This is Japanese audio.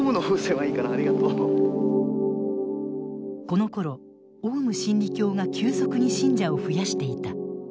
このころオウム真理教が急速に信者を増やしていた。